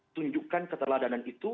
tunjukkan keterladanan itu